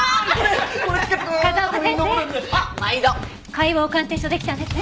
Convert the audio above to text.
解剖鑑定書できたんですね？